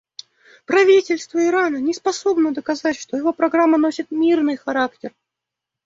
Правительство Ирана не способно доказать, что его программа носит мирный характер.